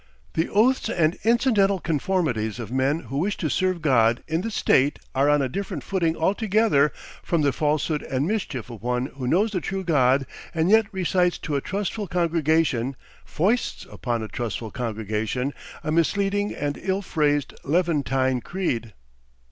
The oaths and incidental conformities of men who wish to serve God in the state are on a different footing altogether from the falsehood and mischief of one who knows the true God and yet recites to a trustful congregation, foists upon a trustful congregation, a misleading and ill phrased Levantine creed.